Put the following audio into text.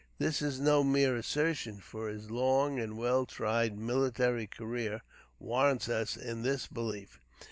This is no mere assertion, for his long and well tried military career warrants us in this belief.